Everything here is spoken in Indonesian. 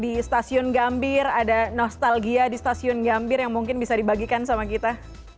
di stasiun gambir ada nostalgia di stasiun gambir yang mungkin bisa dibagikan sama kita